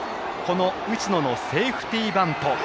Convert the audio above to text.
打野のセーフティーバント。